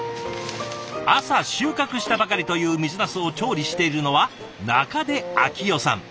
朝収穫したばかりという水なすを調理しているのは中出明代さん。